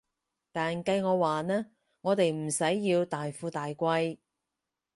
但計我話呢，我哋唔使要大富大貴